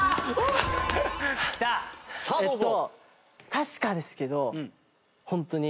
確かですけどホントに。